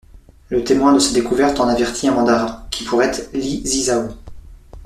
Le témoin de cette découverte en avertit un mandarin qui pourrait être Li Zhizao.